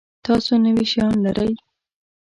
تاسو نوي شیان لرئ؟